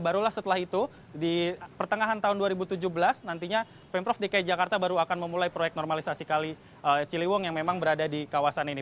barulah setelah itu di pertengahan tahun dua ribu tujuh belas nantinya pemprov dki jakarta baru akan memulai proyek normalisasi kali ciliwung yang memang berada di kawasan ini